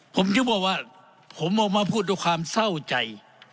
ผมจะบอกว่าผมออกมาพูดด้วยความเศร้าใจ